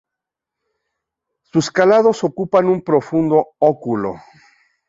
Sus calados ocupan un profundo óculo.